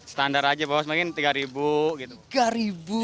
standar aja pak bas mungkin tiga ribu gitu